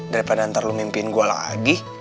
daripada ntar lo mimpiin gua lagi